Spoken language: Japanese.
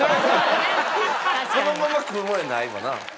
このまま食うもんやないわな。